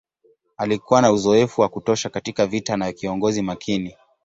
Alikuwa na uzoefu wa kutosha katika vita na kiongozi makini.